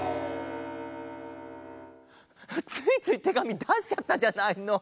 ついついてがみだしちゃったじゃないの。